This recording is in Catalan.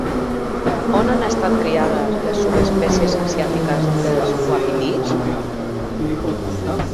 On han estat criades les subespècies asiàtiques dels uapitís?